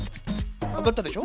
上がったでしょ？